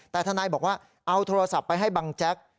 แต่ทนายบอกว่าเอาโทรศัพท์ไปให้บังแจ๊ก